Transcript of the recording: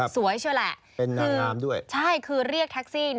สวยเชียวแหละคือใช่คือเรียกเท็กซี่